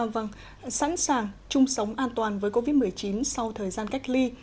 vâng sẵn sàng chung sống an toàn với covid một mươi chín sau thời gian cách ly